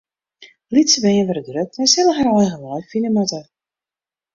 Lytse bern wurde grut en sille har eigen wei fine moatte.